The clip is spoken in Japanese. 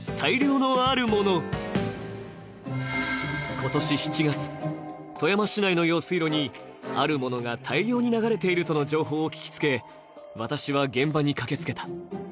今年７月、富山市内の用水路にあるものが大量に流れているとの情報を聞きつけ、私は現場に駆けつけた。